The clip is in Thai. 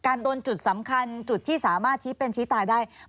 โดนจุดสำคัญจุดที่สามารถชี้เป็นชี้ตายได้